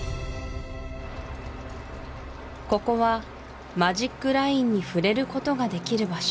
ここはマジックラインに触れることができる場所